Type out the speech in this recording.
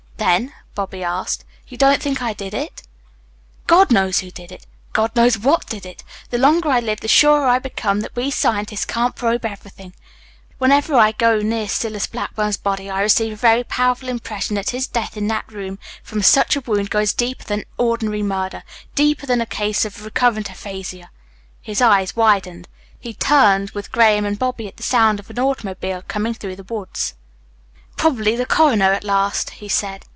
"Then," Bobby asked, "you don't think I did it?" "God knows who did it. God knows what did it. The longer I live the surer I become that we scientists can't probe everything. Whenever I go near Silas Blackburn's body I receive a very powerful impression that his death in that room from such a wound goes deeper than ordinary murder, deeper than a case of recurrent aphasia." His eyes widened. He turned with Graham and Bobby at the sound of an automobile coming through the woods. "Probably the coroner at last," he said.